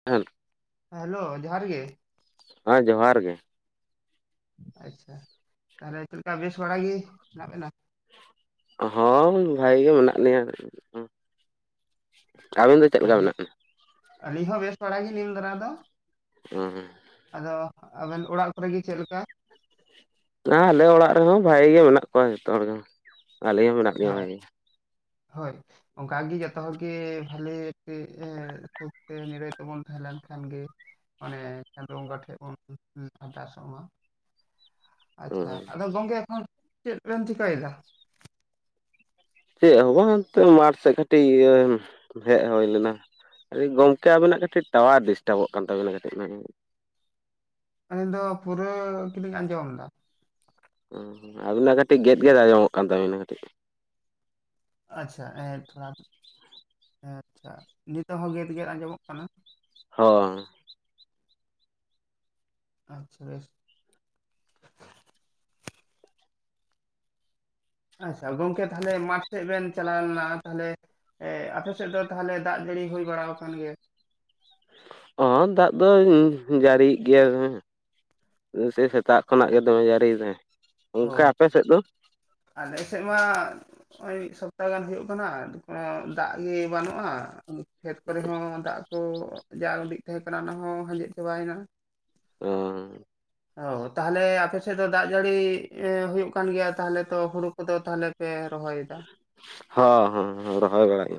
[unintelligible] Hello ᱡᱚᱦᱟᱨ ᱜᱮ ᱾ ᱦᱮᱸ ᱡᱚᱦᱟᱨ ᱜᱮ ᱾ ᱟᱪᱪᱷᱟ ᱛᱟᱦᱞᱮ ᱪᱮᱫ ᱞᱮᱠᱟ ᱵᱮᱥ ᱵᱟᱲᱟ ᱜᱮ ᱦᱮᱱᱟᱜ ᱵᱮᱱᱟ? ᱦᱚᱸ ᱵᱷᱟᱹᱜᱤ ᱜᱮ ᱢᱮᱱᱟᱜ ᱞᱤᱧᱟ ᱟᱹᱞᱤᱧ ᱦᱚᱸ, ᱟᱹᱵᱤᱱ ᱫᱚ ᱪᱮᱫ ᱟᱪᱪᱷᱟ, ᱞᱮᱠᱟ ᱵᱮᱥ᱾ ᱢᱮᱱᱟᱜ ᱵᱤᱱᱟ? ᱟᱹᱞᱤᱧ ᱦᱚᱸ ᱵᱮᱥ ᱵᱟᱲᱟ ᱜᱮ ᱱᱤᱱ ᱫᱟᱨᱟ ᱫᱚ ᱾ ᱚᱦᱚᱸ ᱻ ᱟᱫᱚ ᱟᱵᱮᱱ ᱚᱲᱟᱜ ᱠᱚᱨᱮ ᱜᱮ ᱪᱮᱫ ᱞᱮᱠᱟ? ᱦᱮᱸᱻ ᱟᱞᱮ ᱚᱲᱟᱜ ᱨᱮᱦᱚᱸ ᱵᱷᱟᱹᱜᱤ ᱜᱮ ᱢᱮᱱᱟᱜ ᱠᱚᱣᱟ ᱡᱷᱚᱛᱚ ᱦᱚᱲ ᱜᱮ ᱟᱞᱮ ᱦᱚᱸ ᱢᱮᱱᱟᱜ ᱞᱤᱧᱟ ᱦᱮᱸᱻ ᱵᱷᱟᱜᱮ ᱜᱮ ᱦᱚᱭ ᱚᱱᱠᱟ ᱜᱮ ᱡᱚᱛᱚ ᱦᱚᱲ ᱜᱮ ᱵᱷᱟᱞᱮ [unintelligible] ᱱᱤᱨᱟᱹᱭ ᱛᱮ ᱵᱚᱱ ᱛᱟᱦᱮᱸ ᱞᱮᱱ ᱠᱷᱟᱱ ᱜᱮ ᱢᱟᱱᱮ ᱪᱟᱸᱫᱚ ᱵᱚᱸᱜᱟ ᱴᱷᱮᱡ ᱵᱚᱱ ᱟᱨᱫᱟᱥᱚᱜ ᱢᱟ ᱾ ᱚ ᱟᱪᱪᱷᱟ ᱟᱫᱚ ᱜᱚᱝᱠᱮ ᱮᱠᱷᱚᱱ ᱪᱮᱫ ᱵᱮᱢ ᱪᱤᱠᱟᱹᱭ ᱫᱟ? ᱪᱮᱫ ᱦᱚᱸ ᱵᱟᱝ ᱱᱤᱛᱚᱜ ᱢᱟᱴ ᱥᱮᱫ ᱠᱟᱹᱴᱤᱡ ᱤᱭᱟᱹ ᱦᱮᱡ ᱦᱩᱭ ᱞᱮᱱᱟ ᱾ ᱠᱟᱹᱴᱤᱡ ᱜᱚᱝᱠᱮ ᱟᱹᱵᱤᱱᱟᱜ ᱠᱟᱹᱴᱤᱡ ᱴᱟᱣᱟᱨ ᱰᱤᱥᱴᱟᱵᱚᱜ ᱠᱟᱱ ᱛᱟᱹᱵᱤᱱᱟ ᱠᱟᱹᱴᱤᱡ ᱾ ᱟᱹᱞᱤᱧ ᱫᱚ ᱯᱩᱨᱟᱹ ᱜᱮ ᱞᱤᱧ ᱟᱸᱡᱚᱢ ᱮᱫᱟ ᱾ ᱦᱩᱸ ᱟᱹᱵᱤᱱᱟᱜ ᱠᱟᱹᱴᱤᱡ ᱜᱮᱫ ᱜᱮᱫ ᱟᱸᱡᱚᱢᱚᱜ ᱠᱟᱱ ᱛᱟᱹᱵᱤᱱᱟ ᱠᱟᱹᱴᱤᱡ ᱾ ᱟᱪᱪᱷᱟ ᱮᱸ ᱛᱷᱚᱲᱟ ᱟᱪᱪᱷᱟ ᱱᱤᱛᱚᱜ ᱦᱚᱸ ᱜᱮᱫ ᱟᱸᱡᱚᱢᱚᱜ ᱠᱟᱱᱟ ᱾ ᱦᱚᱭ ᱻ ᱟᱪᱪᱷᱟ [unintelligible] ᱟᱪᱪᱷᱟ ᱜᱚᱝᱠᱮ ᱛᱟᱦᱞᱮ ᱢᱟᱴᱷ ᱥᱮᱫ ᱵᱮᱱ ᱪᱟᱞᱟᱣ ᱞᱮᱱᱟ ᱛᱟᱦᱞᱮ ᱮᱻ ᱟᱯᱮ ᱥᱮᱫ ᱫᱚ ᱛᱟᱦᱞᱮ ᱫᱟᱜ ᱡᱟᱹᱲᱤ ᱦᱩᱭ ᱵᱟᱲᱟ ᱟᱠᱟᱱ ᱜᱮ ᱦᱚᱸᱻ ᱫᱟᱜ ᱫᱚᱭ ᱡᱟᱹᱲᱤ ᱭᱮᱜ ᱜᱮᱭᱟ ᱥᱮ ᱥᱮᱛᱟᱜ ᱠᱷᱚᱱᱟᱜ ᱜᱮ ᱫᱚᱢᱮ ᱡᱟᱹᱲᱤ ᱫᱟᱭ ᱚᱱᱠᱟ ᱚ ᱟᱯᱮ ᱥᱮᱫ ᱫᱚ? ᱟᱞᱮ ᱥᱮᱫ ᱢᱟ ᱱᱚᱜᱼᱚᱭ ᱢᱤᱫ ᱥᱚᱯᱛᱟ ᱜᱟᱱ ᱦᱩᱭᱩᱜ ᱠᱟᱱᱟ, ᱠᱚᱱᱳ ᱫᱟᱜ ᱜᱮ ᱵᱟᱱᱩᱜᱼᱟ ᱾ ᱠᱷᱮᱛ ᱠᱚᱨᱮ ᱦᱚᱸ ᱫᱟᱜ ᱠᱚ ᱡᱟ ᱩᱸᱰᱤᱡ ᱛᱟᱦᱮᱸ ᱠᱟᱱᱟ ᱚᱱᱟ ᱦᱚᱸ ᱟᱸᱡᱮᱫ ᱪᱟᱵᱟᱭᱮᱱᱟ ᱾ ᱚᱦᱚᱸᱻ ᱚᱻ ᱛᱟᱦᱚᱞᱮ ᱟᱯᱮᱥᱮᱫ ᱫᱚ ᱫᱟᱜ ᱡᱟᱹᱲᱤ ᱦᱩᱭᱩᱜ ᱠᱟᱱ ᱜᱮᱭᱟ ᱛᱟᱦᱚᱞᱮ ᱛᱚ ᱦᱳᱲᱳ ᱠᱚᱫᱚ ᱛᱟᱦᱚᱞᱮ ᱯᱮ ᱨᱚᱦᱚᱭᱮᱫᱟ ᱾ ᱦᱚᱻ ᱦᱚᱸᱻ ᱨᱚᱦᱚᱭ ᱵᱟᱲᱟᱜ ᱜᱮ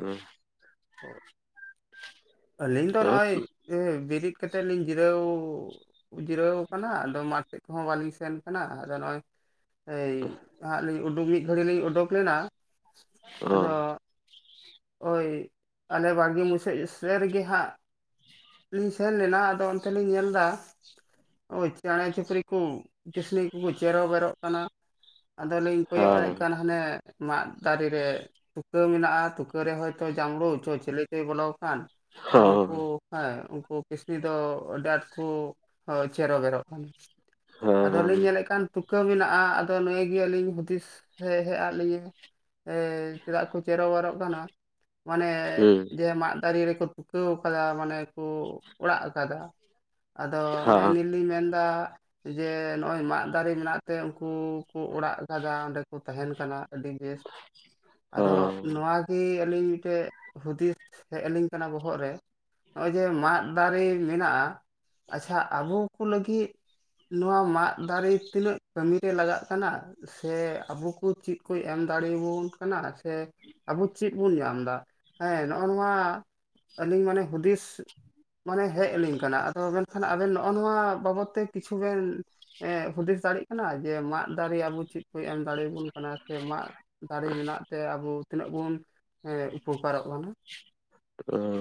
ᱟᱹᱞᱤᱧ ᱫᱚ ᱱᱚᱼᱚᱭ ᱮ ᱵᱮᱨᱤᱫ ᱠᱟᱛᱮᱜ ᱱᱤᱧ ᱡᱤᱨᱟᱹᱣ ᱩ ᱡᱤᱨᱟᱹᱣ ᱟᱠᱟᱱᱟ᱾ ᱟᱫᱚ ᱢᱟᱴᱷ ᱠᱚᱦᱚᱸ ᱵᱟᱞᱤᱧ ᱥᱮᱱ ᱟᱠᱟᱱᱟ᱾ ᱟᱨ ᱱᱚᱜᱼᱚᱭ ᱮᱭ ᱦᱟᱸᱜ ᱞᱤᱧ ᱩᱰᱩᱠ ᱢᱤᱫ ᱜᱷᱟᱹᱲᱤ ᱞᱤᱧ ᱩᱰᱩᱠ ᱞᱮᱱᱟ᱾ ᱟᱫᱚ ᱦᱳᱭ ᱟᱞᱮ ᱵᱟᱲᱜᱮ ᱢᱩᱪᱟᱹᱫ ᱥᱮ ᱨᱮᱜᱮ ᱦᱟᱸᱜ ᱞᱤᱧ ᱥᱮᱱ ᱞᱮᱱᱟ ᱟᱫᱚ ᱚᱱᱛᱮ ᱞᱤᱧ ᱧᱮᱞ ᱮᱫᱟᱭ, ᱳᱭ ᱪᱮᱬᱮ ᱪᱩᱯᱨᱤ ᱠᱚ ᱠᱤᱥᱱᱤ ᱠᱚᱠᱚ ᱪᱮᱨᱚᱼᱵᱮᱨᱚᱜ ᱠᱟᱱᱟ᱾ ᱟᱫᱚᱞᱤᱧ ᱠᱚᱭᱚᱜᱮᱫ ᱠᱟᱱ ᱢᱟᱱᱮ ᱢᱟᱫ - ᱫᱟᱨᱮ ᱨᱮ ᱛᱩᱠᱟᱹ ᱢᱮᱱᱟᱜᱼᱟ᱾ ᱛᱩᱠᱟᱹ ᱨᱮ ᱦᱚᱭᱛᱚ ᱡᱟᱢᱲᱩ ᱪᱚ ᱪᱤᱞᱤ ᱪᱚᱭ ᱵᱚᱞᱚᱣ ᱟᱠᱟᱱ ᱾ ᱟᱫᱚ ᱩᱱᱠᱩ ᱦᱮᱸ ᱩᱱᱠᱩ ᱠᱤᱥᱱᱤ ᱫᱚ ᱟᱹᱰᱤ ᱟᱸᱴ ᱠᱚ ᱪᱮᱨᱚᱼᱵᱮᱨᱚᱜ ᱠᱟᱱᱟ ᱾ ᱟᱫᱚᱞᱤᱧ ᱧᱮᱞᱮᱫ ᱠᱟᱱ ᱛᱩᱠᱟᱹ ᱢᱮᱱᱟᱜᱼᱟ᱾ ᱟᱫᱚ ᱱᱤᱭᱟᱹ ᱜᱮ ᱟᱹᱞᱤᱧ ᱦᱩᱫᱤᱥ ᱦᱮᱡ ᱟᱫ ᱞᱤᱧᱟᱹ ᱪᱮᱫᱟᱜ ᱠᱚ ᱪᱮᱨᱚ ᱵᱟᱨᱚᱜ ᱠᱟᱱᱟ᱾ ᱢᱟᱱᱮ ᱡᱮ ᱢᱟᱫ ᱫᱟᱨᱮ ᱨᱮᱠᱚ ᱛᱩᱠᱟᱹᱣ ᱠᱟᱫᱟ ᱢᱟᱱᱮ ᱠᱚ ᱚᱲᱟᱜ ᱟᱠᱟᱫᱟ ᱟᱫᱚ ᱱᱮᱜᱼᱮ ᱱᱤ ᱞᱤᱧ ᱢᱮᱱ ᱫᱟ ᱡᱮ ᱱᱚᱜᱼᱚᱭ ᱢᱟᱫ ᱫᱟᱨᱮ ᱢᱮᱱᱟᱜ ᱛᱮ ᱩᱱᱠᱩ ᱠᱩ ᱚᱲᱟᱜ ᱟᱠᱟᱫᱟ ᱚᱸᱰᱮ ᱠᱩ ᱛᱟᱦᱮᱸᱱ ᱠᱟᱱᱟ᱾ ᱟᱹᱰᱤ ᱵᱮᱥ ᱟᱫᱚ ᱱᱚᱣᱟ ᱠᱤ ᱟᱹᱞᱤᱧ ᱢᱤᱫᱴᱮᱡ ᱦᱩᱫᱤᱥ ᱦᱮᱡ ᱟᱹᱞᱤᱧ ᱠᱟᱱᱟ ᱵᱚᱦᱚᱜ ᱜ ᱨᱮ ᱾ ᱱᱚᱜᱼᱚᱭ ᱡᱮ ᱢᱟᱫ ᱫᱟᱨᱮ ᱢᱮᱱᱟᱜᱼᱟ᱾ ᱟᱪᱪᱷᱟ ᱟᱵᱚ ᱠᱚ ᱞᱟᱹᱜᱤᱫ ᱱᱚᱣᱟ ᱢᱟᱫ ᱫᱟᱨᱮ ᱛᱤᱱᱟᱹᱜ ᱠᱟᱹᱢᱤ ᱨᱮ ᱞᱟᱜᱟᱜ ᱠᱟᱱᱟ ᱾ ᱥᱮ ᱟᱵᱚ ᱠᱚ ᱪᱮᱫ ᱠᱚ ᱮᱢ ᱫᱟᱲᱮᱭ ᱟᱵᱚᱱ ᱠᱟᱱᱟ ᱥᱮ ᱟᱵᱚ ᱪᱮᱫ ᱵᱚᱱ ᱧᱟᱢ ᱫᱟ? ᱦᱮᱸ ᱱᱚᱜᱼᱚ ᱱᱚᱣᱟ ᱟᱹᱞᱤᱧ ᱢᱟᱱᱮ ᱦᱩᱫᱤᱥ - ᱢᱟᱱᱮ ᱦᱮᱡ ᱟᱹᱞᱤᱧ ᱠᱟᱱᱟ ᱾ ᱟᱫᱚ ᱢᱮᱱᱠᱷᱟᱱ ᱟᱵᱮᱱ ᱱᱚᱜᱼᱚ ᱱᱚᱣᱟ ᱵᱟᱵᱚᱫ ᱛᱮ ᱠᱤᱪᱷᱩ ᱵᱮᱱ ᱮ ᱦᱩᱫᱤᱥ ᱫᱟᱲᱮᱜ ᱠᱟᱱᱟ ᱾ ᱡᱮ ᱢᱟᱫ ᱫᱟᱨᱮ ᱟᱵᱚ ᱪᱮᱫ ᱠᱚ ᱮᱢ ᱫᱟᱲᱮᱭ ᱟᱵᱚᱱ ᱠᱟᱱᱟ? ᱥᱮ ᱢᱟᱫ ᱫᱟᱨᱮ ᱢᱮᱱᱟᱜ ᱛᱮ ᱟᱵᱚ ᱛᱤᱱᱟᱹᱜ ᱵᱩᱱ ᱩᱯᱚᱠᱟᱨᱚᱜ ᱠᱟᱱᱟ ᱾ ᱚ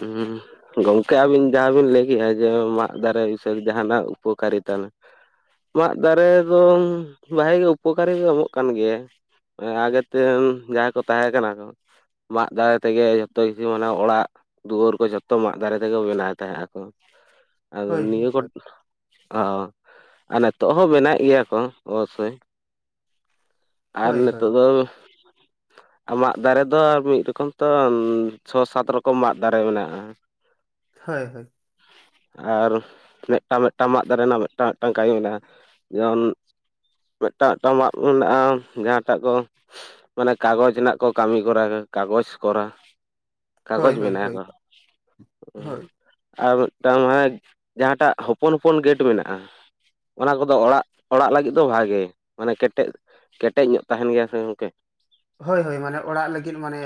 ᱦᱩᱸ ᱾ ᱜᱚᱝᱠᱮ ᱟᱵᱤᱱ ᱡᱟᱦᱟᱸ ᱵᱤᱱ ᱞᱟᱹᱭ ᱠᱮᱜᱼᱟ᱾ ᱡᱮ ᱢᱟᱫ ᱫᱟᱨᱮ ᱥᱮ ᱡᱟᱦᱟᱸᱱᱟᱜ ᱩᱯᱚᱠᱟᱨᱤᱛᱟ ᱢᱟᱫ ᱫᱟᱨᱮ ᱫᱚ ᱵᱷᱟᱜᱮ ᱜᱮ ᱩᱯᱚᱠᱟᱨᱤ ᱮᱢᱚᱜ ᱠᱟᱱ ᱜᱮᱭᱟ ᱾ ᱟᱜᱮᱛᱮ ᱡᱟᱦᱟᱸᱭ ᱠᱚ ᱛᱟᱦᱮᱸ ᱠᱟᱱᱟ ᱠᱚ ᱢᱟᱫ ᱫᱟᱨᱮ ᱛᱮᱜᱮ ᱡᱚᱛᱚ ᱠᱤᱪᱷᱩ ᱢᱟᱱᱮ ᱚᱲᱟᱜ ᱫᱩᱣᱟᱹᱨ ᱠᱚ ᱡᱚᱛᱚ ᱢᱟᱫ ᱫᱟᱨᱮ ᱛᱮᱜᱮ ᱵᱮᱱᱟᱣ ᱛᱟᱦᱮᱸᱫ ᱟᱠᱚ ᱾ ᱟᱫᱚ ᱦᱳᱭ ᱦᱳᱭ ᱱᱤᱭᱟᱹ ᱠᱚ ᱚ ᱟᱨ ᱱᱤᱛᱚᱜ ᱦᱚᱸ ᱢᱮᱱᱟᱜ ᱜᱮᱭᱟ ᱠᱚ ᱚᱵᱚᱥᱥᱳᱭ ᱾ ᱟᱨ ᱦᱳᱭ ᱦᱳᱭ ᱦᱳᱭ ᱱᱤᱛᱚᱜ ᱫᱚ ᱢᱟᱫ ᱫᱟᱨᱮ ᱫᱚ ᱟᱨ ᱢᱤᱫ ᱨᱚᱠᱚᱢ ᱛᱚ ᱪᱷᱚ, ᱥᱟᱛ ᱨᱚᱠᱚᱢ ᱢᱟᱫ ᱫᱟᱨᱮ ᱢᱮᱱᱟᱜᱼᱟ ᱾ ᱦᱳᱭ ᱦᱳᱭ ᱾ ᱟᱨ ᱢᱤᱫᱴᱟᱝ, ᱢᱤᱫᱴᱟᱝ ᱢᱟᱫ ᱫᱟᱨᱮ ᱨᱮᱱᱟᱜ ᱢᱤᱫᱴᱟᱝ, ᱢᱤᱫᱴᱟᱝ ᱠᱟᱹᱢᱤ ᱢᱮᱱᱟᱜᱼᱟ᱾ ᱡᱮᱢᱚᱱ ᱢᱤᱫᱴᱟᱝ, ᱢᱤᱫᱴᱟᱝ ᱢᱟᱫ ᱢᱮᱱᱟᱜᱼᱟ᱾ ᱡᱟᱦᱟᱸᱴᱟᱜ ᱫᱚ ᱢᱟᱱᱮ ᱠᱟᱜᱚᱡᱽ ᱨᱮᱱᱟᱜ ᱠᱚ ᱠᱟᱹᱢᱤ ᱠᱚᱨᱟ, ᱠᱟᱜᱚᱡᱽ ᱠᱚᱨᱟ ᱾ ᱠᱟᱜᱚᱡᱽ ᱦᱳᱭ ᱦᱳᱭ ᱦᱳᱭ ᱵᱮᱱᱟᱣ-ᱟ ᱛᱚ ᱦᱳᱭ ᱾ ᱟᱨ ᱢᱤᱫᱴᱟᱝ ᱢᱟᱱᱮ ᱡᱟᱦᱟᱸᱴᱟᱜ ᱦᱚᱯᱚᱱ, ᱦᱚᱯᱚᱱ ᱜᱮᱴ ᱢᱮᱱᱟᱜᱼᱟ ᱾ ᱚᱱᱟ ᱠᱚᱫᱚ ᱚᱲᱟᱜ, ᱚᱲᱟᱜ ᱞᱟᱹᱜᱤᱫ ᱫᱚ ᱵᱷᱟᱜᱮ ᱢᱟᱱᱮ ᱠᱮᱴᱮᱡ ᱠᱮᱴᱮᱡ ᱧᱚᱜ ᱛᱟᱦᱮᱸᱱ ᱜᱮᱭᱟ ᱥᱮ ᱜᱚᱝᱠᱮ ᱾ ᱦᱳᱭ, ᱦᱳᱭ ᱢᱟᱱᱮ ᱚᱲᱟᱜ ᱞᱟᱹᱜᱤᱫ ᱢᱟᱱᱮ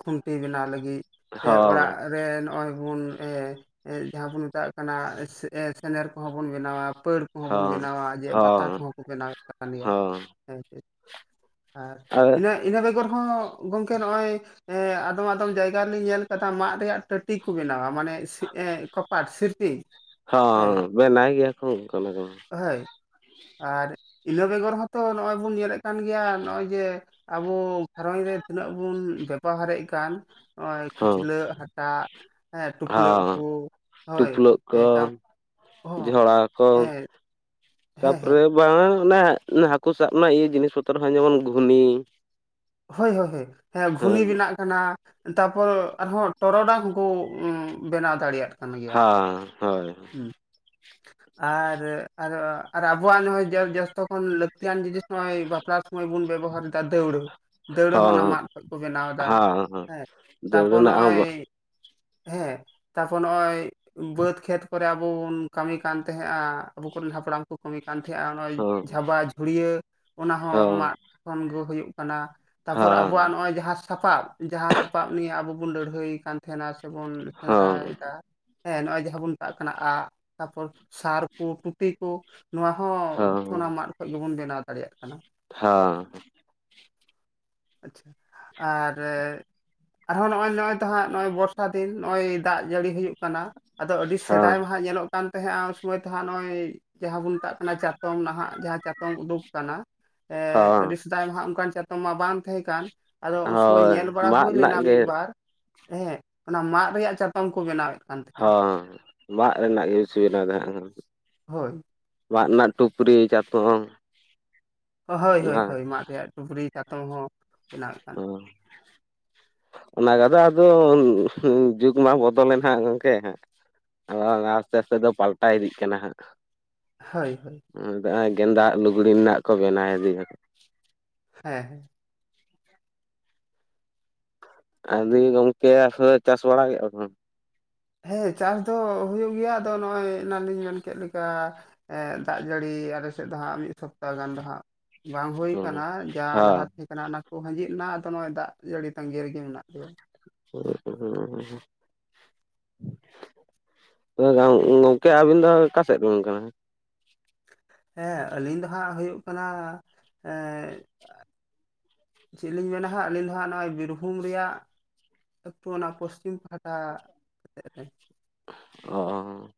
ᱠᱷᱩᱱᱴᱤ ᱵᱮᱱᱟᱣ ᱞᱟᱹᱜᱤᱫ ᱥᱮ ᱚᱲᱟᱜ ᱦᱚᱸ ᱨᱮ ᱱᱚᱜᱼᱚᱭ ᱵᱚᱱ ᱮ ᱮ ᱡᱟᱦᱟᱸ ᱵᱚᱱ ᱢᱮᱛᱟᱜ ᱠᱟᱱᱟ ᱥᱮᱱᱮᱨ ᱠᱚᱦᱚᱸ ᱵᱚᱱ ᱵᱮᱱᱟᱣᱟ ᱯᱟᱹᱲ ᱠᱚᱸᱦᱚ ᱵᱚᱱ ᱦᱚᱸ ᱵᱮᱱᱟᱣᱟ ᱡᱮ ᱵᱟᱛᱟ ᱦᱚᱸ ᱠᱚᱦᱚᱸ ᱠᱚ ᱵᱮᱱᱟᱣᱮᱫ ᱠᱟᱱ ᱜᱮᱭᱟ ᱦᱚᱸ ᱦᱮᱸ, ᱟᱨ ᱤᱱᱟᱹ ᱤᱱᱟᱹ ᱵᱮᱜᱚᱨ ᱦᱚᱸ ᱜᱚᱝᱠᱮ ᱱᱚᱜᱼᱚᱭ ᱮᱸ ᱟᱫᱚᱢ ᱟᱫᱚᱢ ᱡᱟᱭᱜᱟ ᱨᱮᱞᱤᱧ ᱧᱮᱞ ᱠᱟᱫᱟ ᱢᱟᱫ ᱨᱮᱭᱟᱜ ᱴᱟᱹᱴᱤ ᱠᱚ ᱵᱮᱱᱟᱣᱟ, ᱢᱟᱱᱮ ᱠᱚᱯᱟᱴ ᱥᱤᱨᱯᱤᱧ ᱦᱮᱸ᱾ ᱦᱚᱸ ᱵᱮᱱᱟᱭ ᱜᱮᱭᱟ ᱠᱚ ᱚᱝᱠᱟ ᱚᱱᱟ ᱫᱚ᱾ ᱦᱚᱭ ᱟᱨ ᱤᱱᱟᱹ ᱵᱮᱜᱚᱨ ᱦᱚᱸᱛᱚ ᱱᱚᱜᱼᱚᱭ ᱵᱚᱱ ᱧᱮᱞᱮᱫ ᱠᱟᱱ ᱜᱮᱭᱟ ᱱᱚᱜᱼᱚᱭ ᱡᱮ ᱟᱵᱚ ᱜᱷᱟᱨᱚᱸᱡ ᱨᱮ ᱛᱤᱱᱟᱹᱜ ᱵᱩᱱ ᱵᱮᱯᱟᱦᱟᱨᱮᱜ ᱠᱟᱱ ᱱᱚᱜᱼᱚᱭ ᱦᱚᱸ ᱠᱷᱟᱹᱪᱞᱟᱹᱜ ᱦᱟᱴᱟᱜ ᱦᱮᱸ ᱴᱩᱯᱞᱟᱹᱜ ᱠᱚ ᱦᱚᱸ ᱦᱚᱭ᱾ ᱴᱩᱯᱞᱟᱹᱜ ᱠᱚ ᱡᱷᱚᱲᱟ ᱠᱚ ᱦᱮᱸ ᱦᱮᱸ ᱛᱟᱯᱚᱨᱮ [unintelligible] ᱚᱱᱮ ᱦᱟᱹᱠᱩ ᱥᱟᱵ ᱨᱮᱱᱟᱜ ᱤᱭᱟᱹ ᱡᱤᱱᱤᱥ ᱯᱚᱛᱚᱨ ᱦᱚᱸ ᱡᱮᱢᱚᱱ ᱜᱷᱩᱱᱤ᱾ ᱦᱚ ᱦᱚᱭ ᱦᱚᱭ ᱦᱮᱸ ᱜᱷᱩᱱᱤ ᱢᱮᱱᱟᱜ ᱢᱮᱱᱟᱜᱼᱟ ᱛᱟᱯᱚᱨ ᱟᱨᱦᱚᱸ ᱴᱚᱨᱚᱰᱟᱝ ᱦᱚᱸᱠᱚ ᱵᱮᱱᱟᱣ ᱫᱟᱲᱮᱭᱟᱜ ᱠᱟᱱ ᱜᱮᱭᱟ ᱦᱮᱸ ᱦᱳᱭ ᱦᱩᱸ᱾ ᱟᱨ ᱟᱨ ᱟᱨ ᱟᱵᱚᱣᱟᱜ ᱱᱚᱜᱼᱚᱭ ᱡᱚ ᱡᱚ ᱡᱚᱥᱛᱚ ᱠᱷᱚᱱ ᱞᱟᱹᱠᱛᱤᱭᱟᱱ ᱡᱤᱱᱤᱥ ᱱᱚᱜᱼᱚᱭ ᱵᱟᱯᱞᱟ ᱥᱚᱢᱚᱭ ᱵᱚᱱ ᱵᱮᱵᱚᱦᱟᱨ ᱮᱫᱟ ᱫᱟᱹᱣᱲᱟᱹ᱾ ᱫᱟᱹᱣᱲᱟᱹ ᱦᱚᱸ ᱚᱱᱟ ᱢᱟᱫ ᱠᱷᱚᱡ ᱠᱚ ᱵᱮᱱᱟᱣ ᱮᱫᱟ ᱦᱮᱸ, ᱫᱟᱹᱲ ᱛᱟᱯᱚᱨ ᱨᱮᱱᱟᱜ ᱦᱚᱸ ᱱᱚᱜᱼᱚᱭ ᱦᱮᱸ, ᱛᱟᱯᱚᱨ ᱱᱚᱜᱼᱚᱭ ᱵᱟᱹᱫᱽ ᱠᱷᱮᱛ ᱠᱚᱨᱮ ᱟᱵᱚ ᱵᱚᱱ ᱠᱟᱹᱢᱤ ᱠᱟᱱ ᱛᱟᱦᱮᱸᱜᱼᱟ᱾ ᱟᱵᱚ ᱠᱚᱨᱤᱱ ᱦᱟᱯᱲᱟᱢ ᱠᱚ ᱠᱟᱹᱢᱤ ᱠᱟᱱ ᱛᱟᱦᱮᱸᱜᱼᱟ ᱱᱚᱜᱼᱚᱭ ᱦᱚᱸ ᱡᱷᱟᱵᱟ ᱡᱷᱩᱲᱭᱟᱹ ᱚᱱᱟ ᱦᱚᱸ ᱢᱟᱫ ᱠᱷᱚᱱ ᱜᱚ ᱦᱩᱭᱩᱜ ᱠᱟᱱᱟ ᱛᱟᱯᱚᱨ ᱟᱵᱚᱣᱟᱜ ᱦᱮᱸ ᱱᱚᱜᱼᱚᱭ ᱡᱟᱦᱟᱸ ᱥᱟᱯᱟᱵ ᱡᱟᱦᱟᱸ ᱥᱟᱯᱟᱵ ᱱᱤᱭᱮ ᱟᱵᱚ ᱵᱚᱱ ᱞᱟᱹᱰᱦᱟᱹᱭ ᱠᱟᱱ ᱛᱮᱦᱮᱱᱟ ᱥᱮᱵᱚᱱ ᱥᱮᱸᱫᱽᱨᱟᱭ ᱦᱮᱸ ᱮᱫᱟ, ᱦᱮᱸ ᱱᱚᱜᱼᱚᱭ ᱡᱟᱦᱟᱸ ᱵᱚᱱ ᱢᱮᱛᱟᱜ ᱠᱟᱱᱟ ᱟᱜ ᱛᱟᱯᱚᱨ ᱥᱟᱨ ᱠᱚ ᱴᱩᱴᱤ ᱠᱚ᱾ ᱱᱚᱣᱟ ᱦᱚᱸ ᱦᱮᱸ ᱚᱱᱟ ᱢᱟᱫ ᱠᱷᱚᱡ ᱜᱮᱵᱚᱱ ᱵᱮᱱᱟᱣ ᱫᱟᱲᱮᱭᱟᱜ ᱠᱟᱱᱟ᱾ ᱦᱚᱸ᱾ ᱟᱪᱪᱷᱟ ᱟᱼᱨᱮ ᱟᱨᱦᱚᱸ ᱱᱚᱜᱼᱚᱭ ᱱᱚᱜᱼᱚᱭ ᱛᱚ ᱦᱟᱸᱜ ᱱᱚᱜᱚᱭ ᱵᱚᱨᱥᱟ ᱫᱤᱱ ᱱᱚᱜᱼᱚᱭ ᱫᱟᱜ ᱡᱟᱹᱲᱤ ᱦᱩᱭᱩᱜ ᱠᱟᱱᱟ᱾ ᱟᱫᱚ ᱟᱹᱰᱤ ᱦᱮᱸ ᱥᱮᱫᱟᱭ ᱢᱟᱦᱟᱸᱜ ᱧᱮᱞᱚᱜ ᱠᱟᱱ ᱛᱟᱦᱮᱸᱜᱼᱟ ᱩᱱ ᱥᱚᱢᱚᱭ ᱛᱚᱦᱟᱸᱜ ᱱᱚᱜᱼᱚᱭ ᱡᱟᱦᱟᱸ ᱵᱚᱱ ᱢᱮᱛᱟᱜ ᱠᱟᱱᱟ ᱪᱟᱛᱚᱢ ᱱᱟᱦᱟᱜ ᱡᱟᱦᱟᱸ ᱪᱟᱛᱚᱢ ᱩᱰᱩᱜ ᱠᱟᱱᱟ ᱮ ᱦᱮᱸ ᱟᱹᱰᱤ ᱥᱮᱫᱟᱭ ᱢᱟᱦᱟᱜ ᱚᱝᱠᱟᱱ ᱪᱟᱛᱚᱢ ᱢᱟ ᱵᱟᱝ ᱛᱟᱦᱮᱸ ᱠᱟᱱ ᱟᱫᱚ ᱩᱱ ᱥᱚᱢᱚᱭ ᱦᱳᱭ ᱧᱮᱞ ᱵᱟᱲᱟ ᱢᱟᱫ ᱦᱩᱭ ᱨᱮᱱᱟᱜ ᱞᱮᱱᱟ ᱜᱮ ᱢᱤᱫᱵᱟᱨ ᱦᱮᱸ᱾ ᱚᱱᱟ ᱢᱟᱫ ᱨᱮᱭᱟᱜ ᱪᱟᱛᱚᱢ ᱠᱚ ᱵᱮᱱᱟᱣ ᱭᱮᱫ᱾ ᱦᱚᱸ ᱢᱟᱜ ᱨᱮᱱᱟᱜ ᱜᱮ [unintelligible] ᱦᱚᱭ᱾ ᱢᱟᱫ ᱨᱮᱱᱟᱜ ᱴᱩᱯᱨᱤ ᱪᱟᱛᱚᱢ᱾ ᱦᱚᱭ ᱚᱱᱟ ᱦᱚᱭ ᱦᱚᱭ ᱢᱟᱫ ᱨᱮᱭᱟᱜ ᱴᱩᱯᱨᱤ ᱪᱟᱛᱚᱢ ᱦᱚᱸ ᱵᱮᱱᱟᱣᱮᱫ ᱠᱟᱱ ᱦᱩᱸ᱾ ᱚᱱᱟ ᱠᱚᱫᱚ ᱟᱫᱚ ᱡᱩᱜᱽ ᱢᱟ ᱵᱚᱫᱚᱞ ᱮᱱᱟ ᱜᱚᱝᱠᱮ ᱦᱮᱸ᱾ ᱟᱥᱛᱮ ᱟᱥᱛᱮ ᱛᱮ ᱯᱟᱞᱴᱟ ᱤᱫᱤᱜ ᱠᱟᱱᱟ ᱦᱟᱸᱜ᱾ ᱦᱚᱭ ᱦᱚᱭ᱾ ᱜᱮᱸᱫᱟᱜ ᱞᱩᱜᱽᱲᱤ ᱨᱮᱱᱟᱜ ᱠᱚ ᱵᱮᱱᱟᱣ ᱤᱫᱤ ᱦᱮᱸ᱾ ᱟᱹᱵᱤᱱ ᱜᱚᱝᱠᱮ ᱟᱥᱚᱞᱮ ᱪᱟᱥ ᱵᱟᱲᱟ ᱠᱮᱜᱼᱟ ᱵᱤᱱ? ᱦᱮᱸ ᱪᱟᱥ ᱫᱚ ᱦᱩᱭᱩᱜ ᱜᱮᱭᱟ, ᱟᱫᱚ ᱱᱚᱜᱼᱚᱭ ᱮᱱᱟᱝᱞᱤᱧ ᱢᱮᱱ ᱠᱮᱜ ᱞᱮᱠᱟ ᱮᱸ ᱫᱟᱜ ᱡᱟᱹᱲᱤ ᱟᱞᱮ ᱥᱮᱫ ᱫᱚ ᱦᱟᱸᱜ ᱢᱤᱫ ᱥᱚᱯᱛᱟ ᱦᱚ ᱜᱟᱱ ᱫᱚᱦᱟᱸᱜ ᱵᱟᱝ ᱦᱩᱭ ᱠᱟᱱᱟ ᱡᱟ ᱞᱟᱦᱟᱛᱮ ᱠᱟᱱᱟ ᱚᱱᱟ ᱠᱚ ᱦᱟᱺᱡᱤᱫᱜ ᱮᱱᱟ ᱟᱫᱚ ᱱᱚᱜᱼᱚᱭ ᱫᱟᱜ ᱡᱟᱹᱲᱤ ᱛᱟᱺᱜᱤ ᱨᱮᱜᱮ ᱢᱮᱱᱟᱜ ᱞᱮᱭᱟ᱾ [inaudible] [unintelligible] ᱜᱚᱝᱠᱮ ᱟᱵᱤᱱ ᱫᱚ, ᱚᱠᱟ ᱥᱮᱫ ᱨᱤᱱ ᱠᱟᱱᱟ ᱵᱤᱱ? ᱦᱮᱸ, ᱟᱹᱞᱤᱧ ᱫᱚ ᱦᱟᱸᱜ, ᱦᱩᱭᱩᱜ ᱠᱟᱱᱟ ᱾ ᱮᱸᱻ ᱪᱮᱜ ᱞᱤᱧ ᱢᱮᱱᱟ ᱦᱟᱸᱜ, ᱟᱹᱞᱤᱧ ᱫᱚ ᱦᱟᱸᱜ, ᱱᱚᱜᱼᱚᱭ ᱵᱤᱨᱵᱷᱩᱢ ᱨᱮᱭᱟᱜ, ᱟᱹᱛᱩ ᱚᱱᱟ, ᱯᱚᱥᱪᱤᱢ ᱯᱟᱦᱴᱟ ᱥᱮᱫ ᱨᱮ, ᱚᱻ ᱾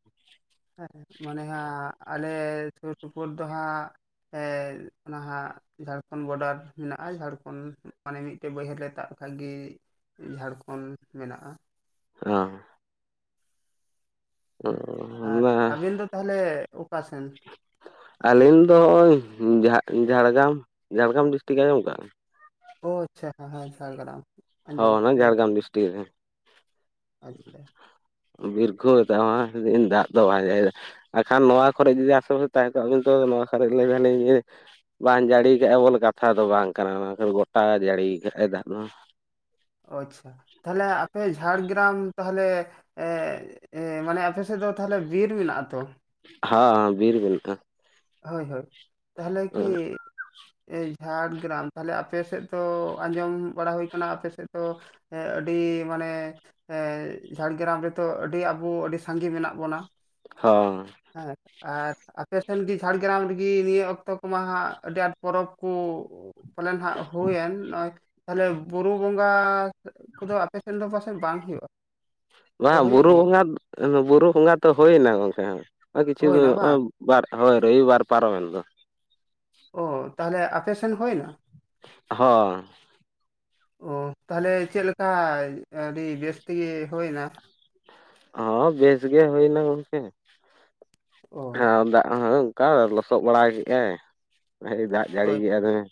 ᱦᱮᱸᱜ, ᱢᱚᱱᱮ ᱦᱟᱸᱜ, ᱟᱞᱮ ᱥᱩᱨ ᱥᱩᱯᱩᱨ ᱫᱚ ᱦᱟᱸᱜ, ᱮ ᱼᱱᱷᱟᱜ ᱡᱷᱟᱲᱠᱷᱚᱸᱰ ᱵᱚᱰᱟᱨ ᱢᱮᱱᱟᱜᱼᱟ, ᱡᱷᱟᱲᱠᱷᱚᱸᱰ ᱢᱟᱱᱮ, ᱢᱤᱫᱴᱮᱡ ᱵᱟᱹᱭᱦᱟᱹᱲ ᱨᱮ, ᱫᱟᱜ ᱛᱟᱸᱜᱤᱡ ᱡᱷᱟᱲᱠᱷᱚᱸᱰ ᱢᱮᱱᱟᱜᱼᱟ ᱾ ᱟᱸᱻ ᱾ ᱟᱨ ᱦᱚᱸ ᱟᱵᱤᱱ ᱫᱚ, ᱛᱟᱦᱞᱮ, ᱚᱠᱟ ᱥᱮᱱ? ᱟᱹᱞᱤᱧ ᱫᱚ, ᱱᱚᱜᱼᱚᱭ ᱡᱷᱟᱲᱜᱨᱟᱢ, ᱡᱷᱟᱲᱜᱨᱟᱢ ᱰᱤᱥᱴᱤᱠ ᱟᱸᱡᱚᱢ ᱟᱠᱟᱜᱼᱟᱢ? ᱚ ᱟᱪᱪᱷᱟ ᱾ ᱦᱟ ᱦᱟᱭᱸ ᱡᱷᱟᱲᱜᱨᱟᱢ ᱾ ᱦᱚ ᱚᱱᱟ, ᱡᱷᱟᱲᱜᱨᱟᱢ ᱰᱤᱥᱴᱤᱠ ᱨᱮ ᱾ ᱟᱪᱪᱷᱟ ᱾ [inaudible] ᱵᱤᱨᱨᱠᱷᱩ, ᱫᱟᱢᱟᱥ ᱫᱤᱱ ᱫᱟᱜ ᱫᱚ ᱟᱸᱡᱮᱫᱟᱭ ᱾ ᱟᱨ ᱠᱷᱟᱱ, ᱱᱚᱣᱟ ᱠᱷᱚᱨᱮᱡ ᱡᱟ [unintelligible] ᱡᱫᱤ ᱟᱥ ᱵᱚᱥ ᱛᱟᱦᱮᱵᱤᱱ ᱱᱚᱣᱟ ᱠᱷᱚᱨ [unintelligible] ᱵᱟᱝ ᱡᱟᱹᱲᱤᱭ ᱠᱟᱜᱼᱟ, ᱵᱚᱞᱮ ᱠᱟᱛᱷᱟ ᱫᱚ, ᱵᱟᱝ ᱠᱟᱱᱟ ᱾ ᱚᱱᱟ ᱫᱚ ᱜᱚᱴᱟ ᱡᱟᱹᱲᱤᱭ ᱟᱠᱟᱫᱟᱭ ᱫᱟᱜ ᱢᱟ ᱾ ᱚᱼᱪᱪᱷᱟ ᱾ ᱛᱟᱦᱞᱮ, ᱟᱯᱮ ᱡᱷᱟᱲᱜᱨᱟᱢ ᱛᱟᱦᱚᱞᱮ, ᱮᱻ ᱮᱻ ᱢᱟᱱᱮ, ᱟᱯᱮ ᱥᱮᱫ ᱫᱚ, ᱛᱟᱦᱚᱞᱮ, ᱵᱤᱨ ᱢᱮᱱᱟᱜᱼᱟ ᱛᱚ? ᱦᱟᱻ ᱟᱼ ᱵᱤᱨ ᱢᱮᱱᱟᱜᱼᱟ ᱾ ᱦᱳᱭ ᱦᱳᱭ, ᱛᱟᱦᱟᱞᱮ, ᱠᱤ ᱮᱭ ᱡᱷᱟᱲᱜᱨᱟᱢ ᱛᱟᱦᱚᱞᱮ, ᱟᱯᱮᱥᱮᱫ ᱫᱚ, ᱟᱸᱡᱚᱢ ᱵᱟᱲᱟ ᱦᱩᱭ ᱟᱠᱟᱱᱟ, ᱟᱯᱮ ᱥᱮᱫ ᱫᱚ ᱮᱻ, ᱟᱹᱰᱤ ᱢᱟᱱᱮ, ᱮ ᱻ, ᱡᱷᱟᱲᱜᱨᱟᱢ ᱨᱮᱫᱚ, ᱟᱹᱰᱤ ᱟᱵᱚ, ᱟᱹᱰᱤ ᱥᱟᱸᱜᱮ, ᱢᱮᱱᱟᱜ ᱵᱚᱱᱟ ᱾ ᱦᱚᱸᱻ ᱾ ᱟᱨ, ᱟᱨ ᱟᱯᱮᱥᱴ ᱥᱮᱱ ᱡᱷᱟᱲᱜᱨᱟᱢ ᱨᱮᱜᱮ, ᱱᱤᱭᱟᱹ ᱚᱠᱛᱚ ᱠᱚᱢᱟ ᱦᱟᱸᱜ, ᱟᱹᱰᱤ ᱟᱸᱴ ᱯᱚᱨᱚᱵᱽ ᱠᱚ ᱯᱟᱞᱮᱱ ᱱᱷᱟᱜ, ᱦᱩᱭᱮᱱ ᱱᱚᱜᱼᱚᱭ ᱛᱟᱦᱟᱞᱮ, ᱵᱩᱨᱩ ᱵᱚᱸᱜᱽ ᱜᱟᱸ ᱠᱚᱫᱚ, ᱟᱯᱮ ᱥᱮᱫ ᱫᱚ, ᱯᱟᱥᱮᱡ ᱵᱟᱝ ᱦᱩᱭᱩᱜᱼᱟ? ᱥᱮ ᱵᱟᱝ ᱦᱩᱭᱩᱜ ᱵᱩᱨᱩ ᱜᱮᱭᱟ ᱵᱚᱸᱜᱟ, ᱵᱩᱨᱩ ᱵᱚᱸᱜᱟ ᱛᱚ, ᱦᱩᱭᱮᱱᱟ, ᱜᱚᱝᱠᱮ, ᱠᱤᱪᱷᱩ ᱦᱩᱭᱱᱟ ᱵᱟᱝ ᱱᱚᱜᱼᱚᱭ ᱵᱟᱨ, ᱦᱳᱭ, ᱨᱚᱵᱤ ᱵᱟᱨ ᱯᱟᱨᱚᱢᱮᱱ ᱫᱚ ᱚᱻ, ᱛᱟᱦᱚᱞᱮ, ᱟᱯᱮ ᱥᱮᱱ ᱦᱩᱭ ᱮᱱᱟ? ᱦᱚᱻ ᱾ ᱚᱦ ᱛᱟᱦᱟᱞᱮ, ᱪᱮᱫ ᱞᱮᱠᱟ, ᱟᱹᱰᱤ ᱵᱮᱥ ᱛᱮᱜᱮ ᱦᱩᱭ ᱮᱱᱟ? ᱦᱚᱻ ᱵᱮᱥ ᱜᱮ, ᱦᱩᱭ ᱮᱱᱟ ᱜᱚᱢᱠᱮ, ᱚ [unintelligible] ᱚᱱᱠᱟ ᱞᱚᱥᱚᱫ ᱵᱟᱲᱟ ᱠᱮᱫᱼᱟᱭ, ᱫᱟᱜ ᱡᱟᱹᱲᱤ ᱠᱮᱫᱼᱟ ᱫᱚᱢᱮ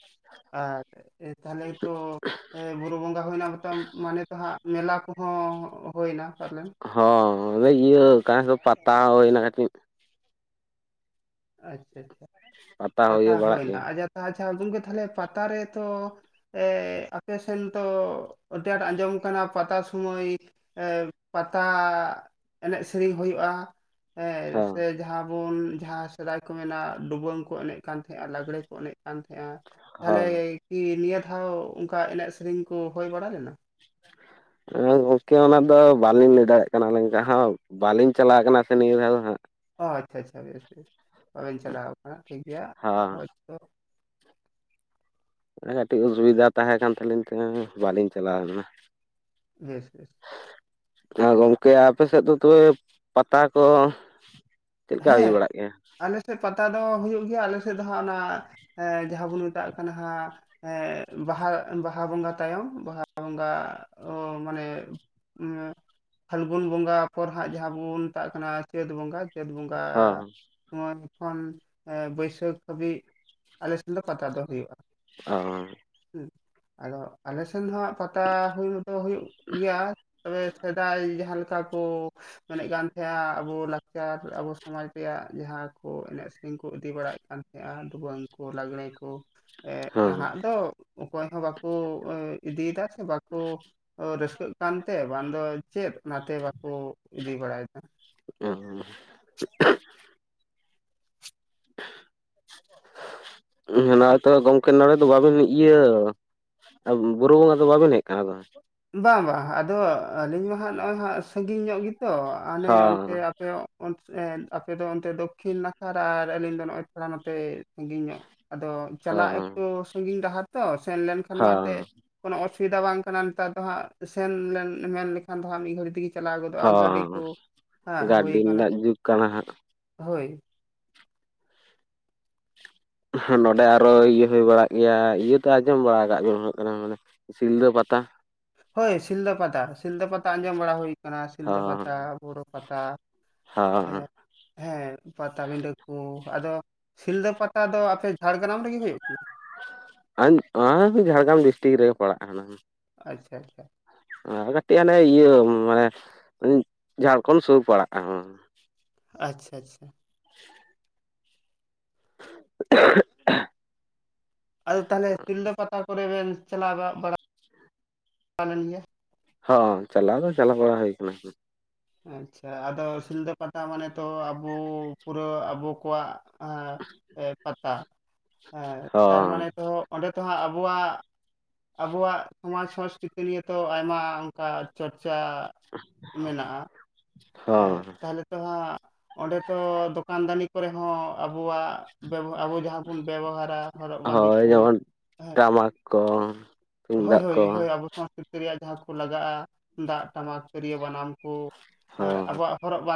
ᱟᱼᱪᱪᱷᱟ ᱪᱪᱷᱟ, ᱮᱻ ᱛᱟᱦᱟᱞᱮ ᱛᱚ ᱵᱩᱨᱩ ᱵᱚᱸᱜᱟ ᱦᱩᱭ ᱮᱱᱟ, ᱢᱟᱱᱮ, ᱛᱚᱦᱞᱮ ᱛᱚ ᱦᱟᱸᱜ, ᱢᱮᱞᱟ ᱠᱚᱦᱚᱸ, ᱦᱩᱭ ᱮ ᱱᱟ ᱯᱟᱞᱮᱱ? ᱦᱚᱸ ᱚᱱᱮ ᱤᱭᱟᱹ, [inaudible] ᱯᱟᱛᱟ ᱦᱩᱭᱳᱱᱟ ᱠᱟᱹᱴᱤᱡ ᱟᱪᱪᱷᱟ ᱟᱪᱪᱷᱟ, ᱯᱟᱛᱟ ᱦᱩᱭ ᱮᱱᱟ ᱾ ᱟᱪᱪ ᱪᱷᱟ ᱜᱚᱝᱠᱮ, ᱛᱟᱦᱞᱮ ᱯᱟᱛᱟ ᱨᱮ ᱛᱚ ᱮᱻ ᱟᱯᱮ ᱥᱮᱱ ᱛᱚ, ᱟᱹᱰᱤ ᱟᱸᱴ ᱟᱸᱡᱚᱢ ᱟᱠᱟᱱᱟ, ᱯᱟᱛᱟ ᱥᱚᱢᱚᱭ ᱮᱻᱜ, ᱯᱟᱛᱟ ᱮᱱᱮᱡ ᱥᱮᱨᱮᱧ ᱦᱩᱭᱩᱜᱼᱟ ᱾ ᱮᱸᱻ ᱦᱚᱸ ᱥᱮ, ᱡᱟᱦᱟᱸ ᱵᱚᱱ, ᱡᱟᱦᱟᱸ ᱥᱮᱫᱟᱭ ᱠᱚ ᱢᱮᱱᱟ, ᱰᱩᱵᱟᱹᱝ ᱠᱚ, ᱮᱱᱮᱡ ᱠᱟᱱ ᱛᱟᱦᱮᱸᱜᱼᱟ, ᱞᱟᱜᱽᱲᱮ ᱠᱚ ᱮᱱᱮᱡ ᱠᱟᱱ ᱛᱟᱦᱮᱸᱜᱼᱟ, ᱛᱟᱦᱚᱞᱮ ᱦᱚᱸ ᱠᱤ ᱱᱤᱭᱟᱹ ᱫᱷᱟᱣ ᱚᱱᱠᱟ ᱮᱱᱮᱡ ᱥᱮᱨᱮᱧ ᱠᱚ ᱦᱩᱭ ᱵᱟᱲᱟ ᱞᱮᱱᱟ? ᱜᱚᱢᱠᱮ ᱚᱱᱟ ᱫᱚ ᱵᱟᱹᱞᱤᱧ ᱞᱟᱹᱭ ᱫᱟᱲᱮᱭᱟᱜ ᱠᱟᱱᱟ ᱞᱤᱧ ᱵᱟᱹᱞᱤᱧ ᱪᱟᱞᱟᱣ ᱠᱟᱱᱟ ᱥᱮ ᱱᱤᱭᱟᱹ ᱫᱷᱟᱣ ᱫᱚ ᱦᱟᱸᱜ᱾ ᱚ ᱟᱪᱪᱷᱟ ᱟᱪᱪᱷᱟ ᱵᱮᱥ ᱵᱮᱥ ᱛᱚᱵᱮ ᱵᱟᱵᱮᱱ ᱪᱟᱞᱟᱣ ᱟᱠᱟᱱᱟ ᱴᱷᱤᱠ ᱜᱮᱭᱟ ᱦᱟᱸᱜ ᱦᱚᱭ ᱛᱚ ᱠᱟᱹᱴᱤᱡ ᱚᱥᱩᱵᱤᱫᱟ ᱛᱟᱦᱮᱸ ᱠᱟᱱ ᱛᱟᱞᱤᱧ ᱛᱮ ᱵᱟᱹᱞᱤᱧ ᱪᱟᱞᱟᱣ ᱞᱮᱱᱟ᱾ Yes yes. ᱟᱨ ᱜᱚᱢᱠᱮ ᱟᱯᱮᱥᱮᱫ ᱫᱚ ᱛᱚᱵᱮ ᱯᱟᱛᱟ ᱠᱚ᱾ ᱪᱮᱫ ᱞᱮᱠᱟ ᱦᱩᱭ ᱦᱮᱸ ᱵᱟᱲᱟᱜ ᱜᱮᱭᱟ ᱟᱞᱮᱥᱮᱫ ᱯᱟᱛᱟ ᱫᱚ ᱦᱩᱭᱩᱜ ᱜᱮᱭᱟ, ᱟᱞᱮ ᱥᱮᱫ ᱫᱚ ᱦᱟᱸᱜ ᱚᱱᱟ ᱮᱸ ᱡᱟᱦᱟᱸ ᱵᱚᱱ ᱢᱮᱛᱟᱜ ᱠᱟᱱᱟ ᱦᱟᱜ ᱮᱸ ᱵᱟᱦᱟ ᱵᱟᱦᱟ ᱵᱚᱸᱜᱟ ᱛᱟᱭᱚᱢ ᱵᱟᱦᱟ ᱵᱚᱸᱜᱟ ᱚ ᱢᱟᱱᱮ ᱯᱷᱟᱹᱞᱜᱩᱱ ᱵᱚᱸᱜᱟ ᱯᱚᱨ ᱡᱟᱦᱟᱸ ᱵᱚᱱ ᱢᱮᱛᱟᱜ ᱠᱟᱱᱟ ᱪᱟᱹᱛ ᱵᱚᱸᱜᱟ ᱪᱟᱹᱛ ᱵᱚᱸᱜᱟᱻ ᱦᱚᱸ ᱥᱚᱢᱚᱱ ᱠᱷᱚᱱ ᱵᱟᱹᱭᱥᱟᱹᱠᱷ ᱦᱟᱹᱵᱤᱡ ᱟᱞᱮ ᱥᱮᱱ ᱫᱚ ᱯᱟᱛᱟ ᱫᱚ ᱦᱩᱭᱩᱜᱼᱟ᱾ ᱚᱻ ᱦᱩᱸ ᱟᱫᱚ ᱟᱞᱮᱥᱮᱱ ᱫᱚ ᱦᱟᱸᱜ ᱯᱟᱛᱟ ᱦᱩᱭ ᱫᱚ ᱦᱩᱭᱩᱜ ᱜᱮᱭᱟ, ᱛᱚᱵᱮ ᱥᱮᱫᱟᱭ ᱡᱟᱦᱟᱸ ᱞᱮᱠᱟ ᱠᱚ ᱢᱮᱱᱮᱫ ᱠᱟᱱ [unintelligible] ᱟᱵᱚ ᱞᱟᱠ ᱪᱟᱨ ᱟᱵᱚ ᱥᱚᱢᱟᱡ ᱨᱮᱭᱟᱜ ᱡᱟᱦᱟᱸ ᱠᱚ ᱮᱱᱮᱡ ᱥᱮᱨᱮᱧ ᱠᱚ ᱤᱫᱤ ᱵᱟᱲᱟᱭᱮᱫ ᱠᱟᱱ ᱛᱟᱦᱮᱸᱜᱼᱟ, ᱟᱫᱚ ᱵᱚᱱ ᱠᱚ ᱞᱟᱜᱽᱲᱮ ᱠᱚ, ᱮᱜ ᱦᱚᱸ ᱱᱟᱦᱟᱜ ᱫᱚ ᱚᱠᱚᱭ ᱦᱚᱸ ᱵᱟᱠᱚ ᱤᱫᱤᱭ ᱫᱟ ᱥᱮ, ᱵᱟᱠᱚ ᱚ ᱨᱟᱹᱥᱠᱟᱹᱜ ᱠᱟᱱᱛᱮ ᱵᱟᱝᱫᱚ ᱪᱮᱫ ᱚᱱᱟᱛᱮ ᱵᱟᱠᱚ ᱤᱫᱤ ᱵᱟᱲᱟᱭᱮᱫᱟ᱾ ᱚ᱾ ᱚᱱᱟ ᱦᱚ ᱛᱚ ᱜᱚᱢᱠᱮ ᱛᱚ ᱱᱚᱰᱮ ᱫᱚ ᱵᱟᱵᱤᱱ ᱤᱭᱟᱹ ᱵᱩᱨᱩ ᱵᱚᱸᱜᱟ ᱫᱚ ᱵᱟᱹᱵᱮᱱ ᱦᱮᱡ ᱟᱠᱟᱱᱟ ᱟᱫᱚ᱾ ᱵᱟᱝ ᱵᱟᱝ, ᱟᱫᱚ ᱟᱹᱞᱤᱧ ᱢᱟ ᱦᱟᱸᱜ ᱱᱚᱜᱼᱚᱭ ᱦᱟᱜ ᱥᱟᱺᱜᱤᱧ ᱧᱚᱜ ᱜᱮᱛᱚ ᱦᱚᱱᱮ ᱛᱚ ᱚᱱᱛᱮ ᱦᱚᱸ ᱟᱯᱮ ᱟᱯᱮ ᱫᱚ ᱚᱱᱛᱮ ᱫᱚ ᱠᱷᱤᱱ ᱱᱟᱠᱷᱟᱨ ᱟᱨ ᱟᱹᱞᱤᱧ ᱫᱚ ᱱᱚᱜᱼᱚᱭ ᱛᱷᱚᱲᱟ ᱱᱚᱛᱮ ᱥᱟᱺᱜᱤᱧ ᱧᱚᱜ᱾ ᱟᱫᱚ ᱪᱟᱞᱟᱜ ᱦᱚᱸ ᱟᱠᱚ ᱥᱟᱺᱜᱤᱧ ᱰᱟᱦᱟᱨ ᱛᱚ, ᱥᱮᱱ ᱞᱮᱱ ᱠᱷᱟᱱ ᱢᱟ ᱦᱚᱸ ᱮᱛᱮᱫ ᱠᱚᱱᱚ ᱚᱥᱩᱵᱤᱫᱟ ᱵᱟᱝ ᱠᱟᱱᱟ ᱱᱮᱛᱟᱨ ᱦᱟᱸᱜ ᱥᱮᱱ ᱞᱮᱱ ᱢᱮᱱ ᱞᱮᱠᱷᱟᱱ ᱫᱚ ᱦᱟᱸᱜ ᱢᱤᱫ ᱜᱷᱟᱹᱲᱤ ᱛᱮᱜᱮ ᱪᱟᱞᱟᱣ ᱜᱚᱫᱚᱜᱼᱟ ᱜᱟᱹᱰᱤ ᱦᱚᱸ ᱠᱚ ᱦᱟᱸ ᱜᱟᱹᱰᱤ ᱦᱩᱭ ᱟᱠᱟᱱᱟ, ᱨᱮᱱᱟᱜ ᱡᱩᱜᱽ ᱠᱟᱱᱟ ᱦᱚᱭ᱾ ᱱᱚᱸᱰᱮ ᱟᱨᱚ ᱤᱭᱟᱹ ᱦᱩᱭ ᱵᱟᱲᱟᱜ ᱜᱮᱭᱟ ᱤᱭᱟᱹ ᱛᱚ ᱟᱸᱡᱚᱢ ᱵᱟᱲᱟ ᱠᱟᱫ ᱜᱮ ᱦᱩᱭᱩᱜ ᱠᱟᱱᱟ ᱢᱟᱱᱮ ᱥᱤᱞᱫᱟᱹ ᱯᱟᱛᱟ᱾ ᱦᱚᱭ ᱥᱤᱞᱫᱟᱹ ᱯᱟᱛᱟ᱾ ᱥᱤᱞᱫᱹ ᱯᱟᱛᱟ ᱛᱟ ᱟᱸᱡᱚᱢ ᱵᱟᱲᱟ ᱦᱩᱭ ᱟᱠᱟᱱᱟ, ᱥᱤᱞᱫᱟᱹ ᱯᱟᱛᱟ ᱦᱚᱸ ᱵᱩᱨᱩ ᱯᱟᱛᱟ᱾ ᱦᱚᱸ ᱦᱮᱸ ᱯᱟᱴᱟ ᱵᱤᱸᱰᱟᱹ ᱠᱚ, ᱟᱫᱚ ᱥᱤᱞᱫᱟᱹ ᱯᱟᱛᱟ ᱫᱚ ᱟᱯᱮ ᱡᱷᱟᱲᱜᱨᱟᱢ ᱨᱮᱜᱮ ᱦᱩᱭᱩᱜ ᱠᱟᱱᱟ? [inaudible] ᱟᱧ ᱚᱱᱟ ᱦᱚᱸ ᱡᱷᱟᱲᱜᱨᱟᱢ ᱰᱤᱥᱴᱤᱠ ᱨᱮᱜᱮ ᱯᱟᱲᱟᱜ ᱠᱟᱱᱟ᱾ ᱟᱪᱪᱷᱟ ᱪᱷᱟ᱾ ᱟᱨ ᱠᱟᱹᱴᱤᱡ ᱦᱟᱱᱮ ᱤᱭᱟᱹ ᱢᱟᱱᱮ ᱡᱷᱟᱲᱠᱷᱚᱱᱰ ᱥᱩᱨ ᱯᱟᱲᱟᱜᱼᱟ ᱠᱟᱱᱟ᱾ ᱟᱪᱪᱷᱟ ᱪᱷᱟ᱾ [inaudible] [unintelligible] ᱟᱫᱚ ᱛᱟᱦᱚᱞᱮ ᱥᱤᱞᱫᱟᱹ ᱯᱟᱛᱟ ᱠᱚᱨᱮ ᱵᱮᱱ ᱪᱟᱞᱟᱣ ᱵᱟᱜ ᱵᱟᱲᱟ ᱞᱮᱱ ᱜᱮᱭᱟ᱾ ᱦᱚᱸ ᱪᱟᱞᱟᱣ ᱫᱚ ᱪᱟᱞᱟᱣ ᱵᱟᱲᱟ ᱦᱩᱭ ᱟᱠᱟᱱᱟ᱾ ᱟᱪᱪᱷᱟ, ᱟᱫᱚ ᱥᱤᱞᱫᱟᱹ ᱯᱟᱛᱟ ᱢᱟᱱᱮ ᱛᱚ ᱟᱵᱚ ᱯᱩᱨᱟᱹ ᱟᱵᱚ ᱠᱚᱣᱟᱜ ᱟ ᱮ ᱯᱟᱛᱟ, ᱟ ᱛᱟᱨ ᱦᱚᱸ ᱢᱟᱱᱮ ᱛᱚ ᱚᱸᱰᱮ ᱛᱮᱦᱟᱸ ᱟᱵᱚᱣᱟᱜ, ᱟᱵᱚᱣᱟᱜ, ᱥᱚᱢᱟᱡ ᱥᱚᱸᱥᱠᱨᱤᱛᱤ ᱱᱤᱭᱮ ᱛᱚ ᱟᱭᱢᱟ ᱠᱟ ᱪᱚᱨᱪᱟ, ᱢᱮᱱᱟᱜᱼᱟ᱾ ᱮᱸ ᱦᱚᱸ᱾ ᱛᱟᱦᱚᱞᱮ ᱛᱚ ᱦᱟᱸᱜ, ᱚᱸᱰᱮ ᱛᱚ, ᱫᱚᱠᱟᱱ ᱫᱟᱱᱤ ᱠᱚᱨᱮ ᱦᱚᱸ, ᱟᱵᱚᱣᱟᱜ ᱵᱮᱵᱚ ᱼᱟᱵᱚ ᱡᱟᱦᱟᱸ ᱵᱚᱱ ᱵᱮᱵᱚᱦᱟᱨᱼᱟ ᱦᱚᱨᱚᱜ ᱵᱟᱸᱫᱮ ᱠᱚ, ᱦᱮᱸᱼᱼ ᱠᱚᱸᱼᱼ ᱦᱳᱭᱼᱦᱳᱭ ᱦᱳᱭ ᱟᱵᱚ [unintelligible] ᱨᱮᱭᱟᱜ ᱡᱟᱦᱟᱸ ᱞᱟᱜᱟᱜᱼᱟ ᱫᱟᱜ, ᱴᱟᱢᱟᱠ, ᱛᱤᱨᱭᱚ, ᱵᱟᱱᱟᱢ ᱠᱚ, ᱦᱚᱸ [unintelligible] ᱟᱵᱚᱣᱟᱜ ᱦᱚᱨᱚᱜᱸᱫ ᱵᱟᱸ